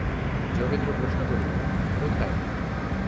যোগেন্দ্র প্রশ্ন করিল, কোথায়?